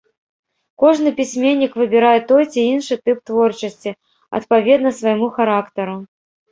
Кожны пісьменнік выбірае той ці іншы тып творчасці адпаведна свайму характару.